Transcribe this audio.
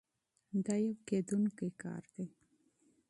دا یو ممکن کار دی.